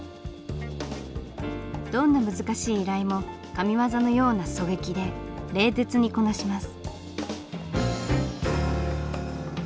どんな難しい依頼も神業のような狙撃で冷徹にこなします。